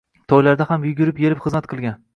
To`ylarida ham yugurib-elib xizmat qilgan